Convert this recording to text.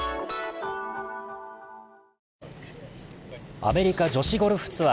アメリカ女子ゴルフツー